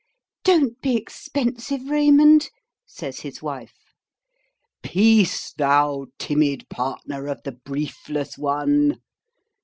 'Don't be expensive, Raymond,' says his wife. 'Peace, thou timid partner of the briefless one.